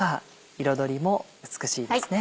彩りも美しいですね。